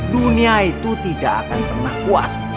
dunia itu tidak akan pernah puas